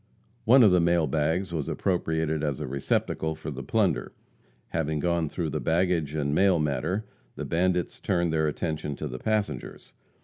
One of the mail bags was appropriated as a receptacle for the plunder. Having gone through the baggage and mail matter, the bandits turned their attention to the passengers.